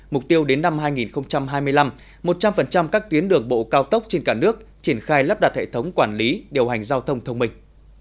mục tiêu đến năm hai nghìn hai mươi năm một trăm linh các tuyến đường bộ cao tốc trên cả nước triển khai lắp đặt hệ thống quản lý điều hành giao thông thông minh